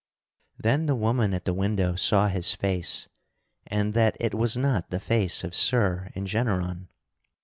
Then the woman at the window saw his face and that it was not the face of Sir Engeneron.